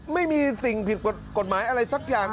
ไม่มีสิ่งผิดกฎหมายอะไรสักอย่าง